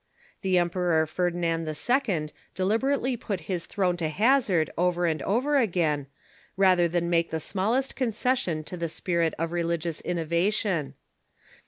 The Emperor Ferdinand II. deliberately put his throne to hazard over and over again rather than make the smallest concession to the spirit of religious innovation.